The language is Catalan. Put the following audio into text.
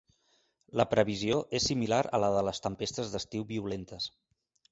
La previsió és similar a la de les tempestes d’estiu violentes.